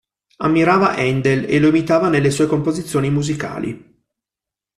Ammirava Händel e lo imitava nelle sue composizioni musicali.